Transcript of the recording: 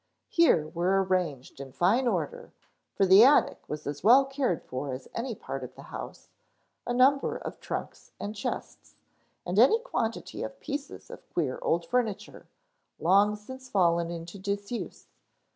Here were arranged in fine order, for the attic was as well cared for as any part of the house, a number of trunks and chests, and any quantity of pieces of queer old furniture, long since fallen into disuse.